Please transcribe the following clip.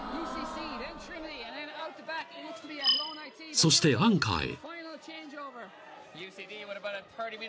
［そしてアンカーへ］